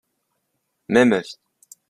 Même avis.